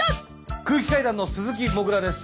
空気階段の鈴木もぐらです。